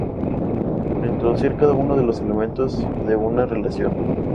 Para introducir cada uno de los elementos de una relación.